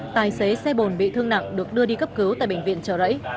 tài xế xe bồn bị thương nặng được đưa đi cấp cứu tại bệnh viện trợ rẫy